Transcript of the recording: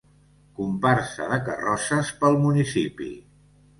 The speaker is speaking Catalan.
Comparsa de carrosses pel municipi.